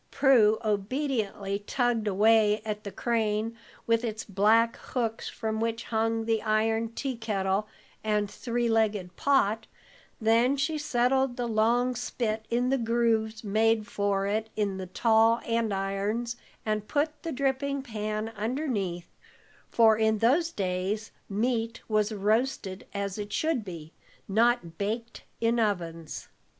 Prue obediently tugged away at the crane, with its black hooks, from which hung the iron tea kettle and three legged pot; then she settled the long spit in the grooves made for it in the tall andirons, and put the dripping pan underneath, for in those days meat was roasted as it should be, not baked in ovens.